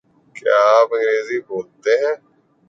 کیا آپ انگریزی بولتے ہیں؟